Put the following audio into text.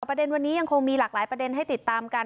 ประเด็นวันนี้ยังคงมีหลากหลายประเด็นให้ติดตามกัน